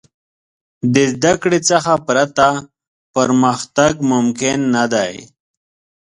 د زدهکړې څخه پرته، پرمختګ ممکن نه دی.